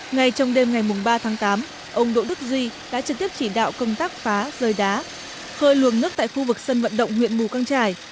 ngay trong đêm ngày ba tháng tám ông đỗ đức duy đã trực tiếp chỉ đạo công tác phá rời đá khơi luồng nước tại khu vực sân vận động huyện mù căng trải